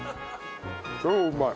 超うまい。